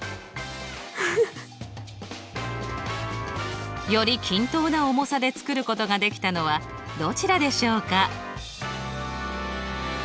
フフフ。より均等な重さで作ることができたのはどちらでしょうか？